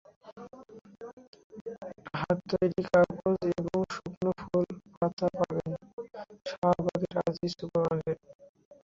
হাতে তৈরি কাগজ এবং শুকনো ফুল পাতা পাবেন শাহবাগের আজিজ সুপার মার্কেটে।